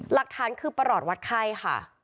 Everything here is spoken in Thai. หลักฐานคือประหลอดวัดไข้ค่ะ